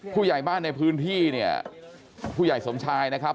ผู้ใหญ่บ้านในพื้นที่เนี่ยผู้ใหญ่สมชายนะครับ